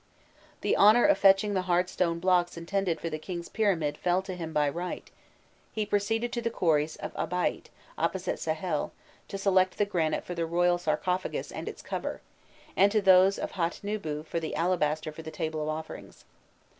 The honour of fetching the hard stone blocks intended for the king's pyramid fell to him by right: he proceeded to the quarries of Abhaît, opposite Sehel, to select the granite for the royal sarcophagus and its cover, and to those of Hatnûbû for the alabaster for the table of offerings.